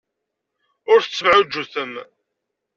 Ur tettemɛujjutem.